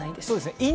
そうですね。